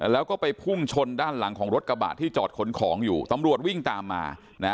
แล้วก็ไปพุ่งชนด้านหลังของรถกระบะที่จอดขนของอยู่ตำรวจวิ่งตามมานะ